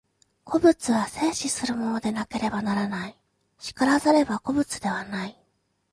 個物は生死するものでなければならない、然らざれば個物ではない。